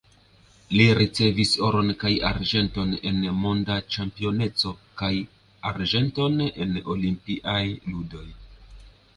Li ricevis oron kaj arĝenton en monda ĉampioneco kaj arĝenton en olimpiaj ludoj.